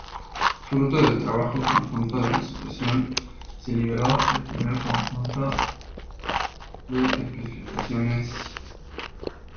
Fruto del trabajo conjunto de la asociación, se liberó el primer conjunto de especificaciones.